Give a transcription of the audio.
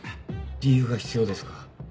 理由が必要ですか？